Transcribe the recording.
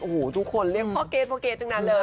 โอ้โหทุกคนเรียกพ่อเกรทพ่อเกรททั้งนั้นเลย